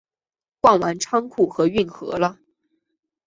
逛完仓库和运河了